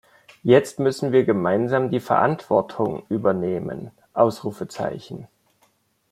Jetzt müssen wir gemeinsam die Verantwortung übernehmen!